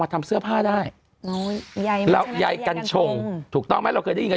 ทำเสื้อผ้าได้ยายกัญชงถูกต้องไหมเราเคยได้ยินกัน